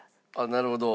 なるほど。